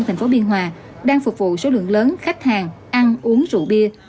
thành phố biên hòa đang phục vụ số lượng lớn khách hàng ăn uống rượu bia